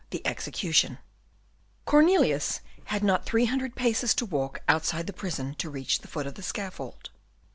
The Execution Cornelius had not three hundred paces to walk outside the prison to reach the foot of the scaffold.